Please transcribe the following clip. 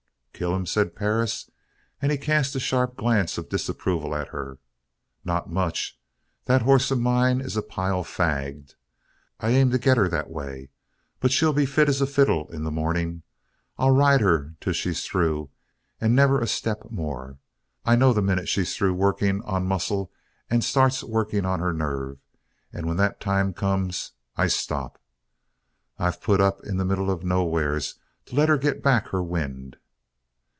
"Kill 'em?" said Perris, and he cast a sharp glance of disapproval at her. "Not much! That hoss of mine is a pile fagged. I aim to get her that way. But she'll be fit as a fiddle in the morning. I ride her till she's through and never a step more. I know the minute she's through working on muscle and starts working on her nerve, and when that time comes, I stop. I've put up in the middle of nowheres to let her get back her wind.